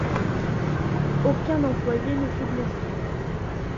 Aucun employé ne fut blessé.